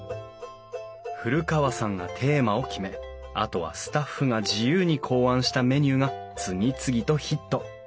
古川さんがテーマを決めあとはスタッフが自由に考案したメニューが次々とヒット。